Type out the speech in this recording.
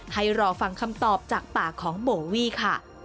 ให้รอฟังคำตอบจากปากของโบวี่ค่ะ